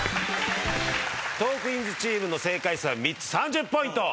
トークィーンズチームの正解数は３つ３０ポイント。